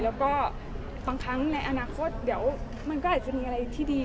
แล้วก็บางครั้งในอนาคตเดี๋ยวมันก็อาจจะมีอะไรที่ดี